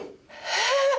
えっ！？